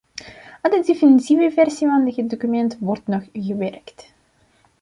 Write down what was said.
Aan de definitieve versie van het document wordt nog gewerkt.